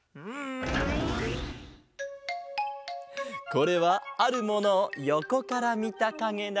これはあるものをよこからみたかげだ。